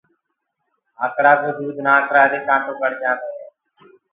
آنڪڙآ ڪو دود نآکرآ دي ڪآنٽو ڪڙجآندوئي۔